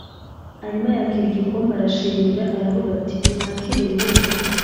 Hanyuma yakira igikombe arashimira aravuga ati nimwakire ibihembo